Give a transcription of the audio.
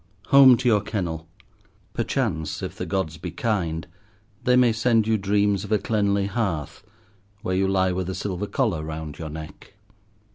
Home to your kennel! Perchance, if the Gods be kind, they may send you dreams of a cleanly hearth, where you lie with a silver collar round your neck.